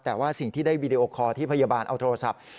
แต่ว่าสิ่งที่ได้วีดีโอคอร์ที่พยาบาลเอาโทรศัพท์